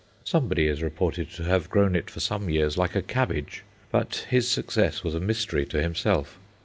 Somebody is reported to have grown it for some years "like a cabbage;" but his success was a mystery to himself.